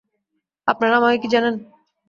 আপনারা আমাকে কী জানেন!